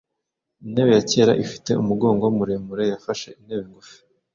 intebe ya kera ifite umugongo muremure. yafashe intebe ngufi